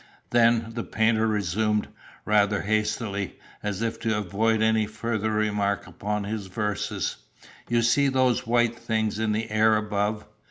"Then," the painter resumed, rather hastily, as if to avoid any further remark upon his verses, "you see those white things in the air above?"